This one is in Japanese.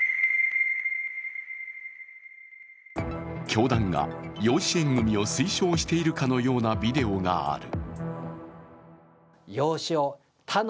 教団が養子縁組を推奨しているかのようなビデオがある。